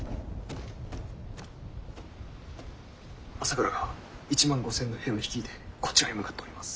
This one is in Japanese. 朝倉が１万５，０００の兵を率いてこちらに向かっております。